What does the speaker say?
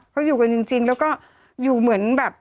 เขาอยู่กันจริงแล้วก็อยู่เหมือนแบบ